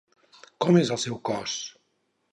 Com és el seu cos?